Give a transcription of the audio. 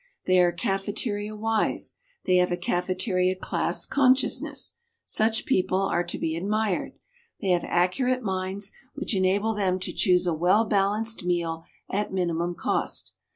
They are cafeteria wise, they have a cafeteria class consciousness. Such people are to be admired. They have accurate minds which enable them to choose a well balanced meal at minimum cost.